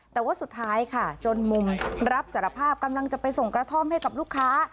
แต่ว่าสุดท้ายค่ะจนมุมรับสารภาพกำลังจะไปส่งกระท่อมให้กับลูกค้า